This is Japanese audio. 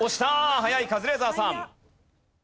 早いカズレーザーさん。